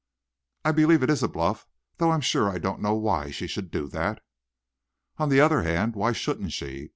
"I believe it is a bluff, though I'm sure I don't know why she should do that." "On the other hand, why shouldn't she?